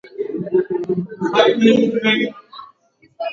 virutubisho vingi zaidi viko kwenye unga wa viazi lishe kuliko unga wa ngano